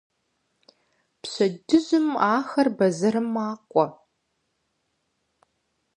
Пщэдджыжьым ахэр бэзэрым макӏуэр.